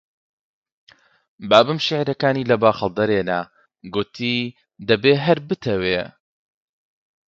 بابم شیعرەکانی لە باخەڵ دەرێنا، گوتی: دەبێ هەر بتەوێ